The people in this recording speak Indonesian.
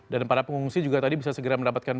dan para pengungsi juga tadi bisa segera mendapatkan